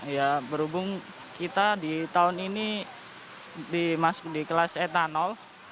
ya berhubung kita di tahun ini masuk di kelas etanol